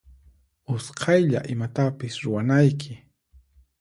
Usqaylla imatapis ruwanayki.